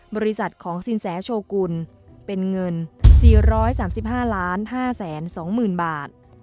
บริษัทของสินแสโชกุลเป็นเงิน๔๓๕๕๒๐๐๐บาท